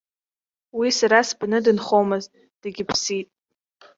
Уи сара сбаны дынхомызт, дегьыԥсит.